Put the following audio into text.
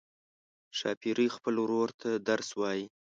ښاپیرۍ خپل ورور ته درس وايي.